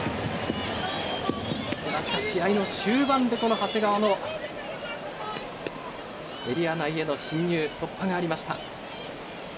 しかし、終盤で長谷川のエリア内への進入突破がありました。